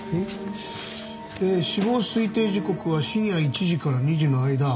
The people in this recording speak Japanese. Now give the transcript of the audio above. えー死亡推定時刻は深夜１時から２時の間。